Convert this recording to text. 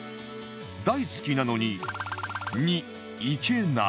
大好きなのにに行けない